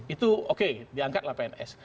itu oke diangkatlah pns